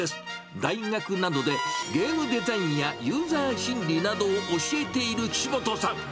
大学などでゲームデザインやユーザー心理などを教えている岸本さん。